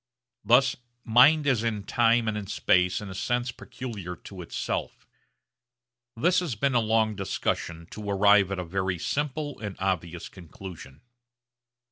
Thus mind is in time and in space in a sense peculiar to itself. This has been a long discussion to arrive at a very simple and obvious conclusion.